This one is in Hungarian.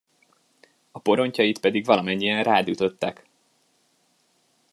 A porontyaid pedig valamennyien rád ütöttek!